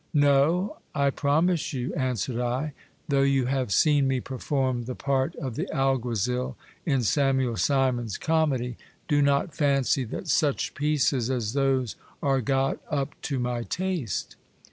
No, I promise you, answered I : though you have seen me perform the part of the alguazil in Samuel Simon's comedy, do not fancy that such pieces as those are got up to my taste.